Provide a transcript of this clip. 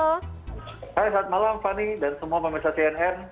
hai sehat malam fani dan semua pemerintah tnn